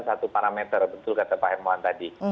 satu parameter betul kata pak hermawan tadi